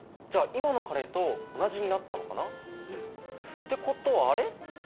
じゃあ今のカレーと同じになったのかな？ってことはあれ？